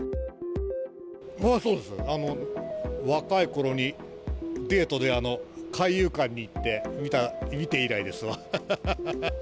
そうです、若いころに、デートで海遊館に行って見て以来ですわ。